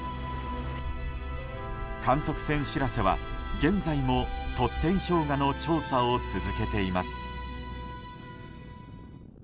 観測船「しらせ」は現在もトッテン氷河の調査を続けています。